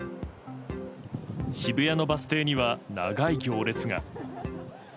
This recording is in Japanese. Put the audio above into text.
渋谷のバス停には長い行列が。